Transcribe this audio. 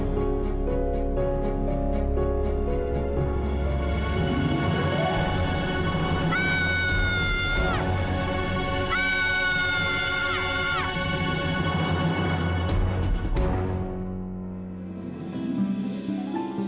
pak yos jangan sampai tahu